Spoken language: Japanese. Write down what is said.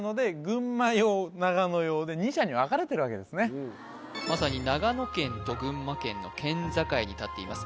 この場合はまさに長野県と群馬県の県境に建っています